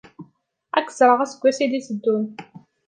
Ad k-ẓreɣ aseggas ay d-itteddun.